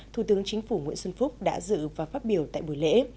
thủ tướng chính phủ nguyễn xuân phúc đã dự và phát biểu tại buổi lễ